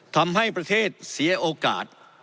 ทำให้ประเทศเสียโอกาส